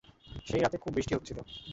সেই রাতে খুব বৃষ্টি হচ্ছিল।